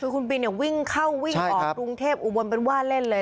คือคุณบินวิ่งเข้าวิ่งออกกรุงเทพอุบลเป็นว่าเล่นเลย